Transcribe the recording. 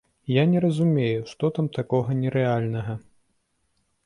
Я не разумею, што там такога нерэальнага!